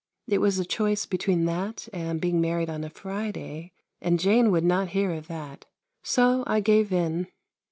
It was a choice between that and being married on a Friday, and Jane would not hear of that, so I gave in.